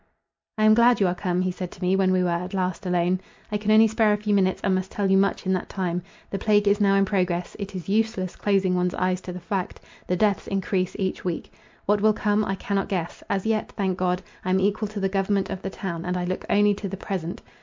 "I am glad you are come," he said to me, when we were at last alone; "I can only spare a few minutes, and must tell you much in that time. The plague is now in progress—it is useless closing one's eyes to the fact—the deaths encrease each week. What will come I cannot guess. As yet, thank God, I am equal to the government of the town; and I look only to the present.